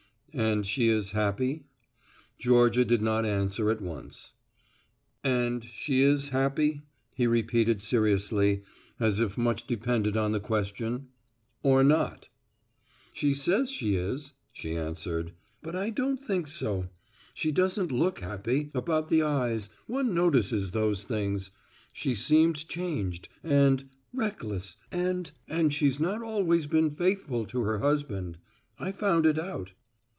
"And she is happy?" Georgia did not answer at once. "And she is happy," he repeated seriously, as if much depended on the question, "or not?" "She says she is," she answered, "but I don't think so. She doesn't look happy about the eyes one notices those things. She seems changed and reckless and and she's not always been faithful to her husband. I found it out."